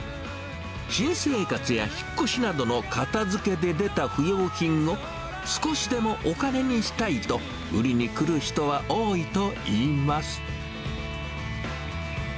新生活や引っ越しなどの片づけで出た不用品を少しでもお金にしたいと、売りに来る人は多いといいます。